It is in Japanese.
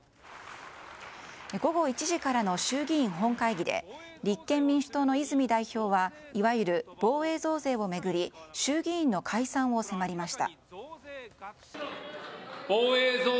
午後１時からの衆議院本会議で立憲民主党の泉代表はいわゆる防衛増税を巡り衆議院の解散を迫りました。